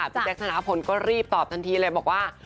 พี่แจ๊คธนพลก็รีบตอบทันทีเลยบอกว่า